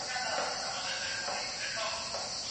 انا هره شپه د خپل بد عمل له امله وژړل.